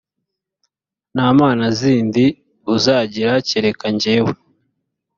nta mana zindi uzagira kereka jyewe.